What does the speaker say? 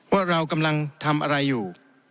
ว่าเรากำลังทำอะไรอยู่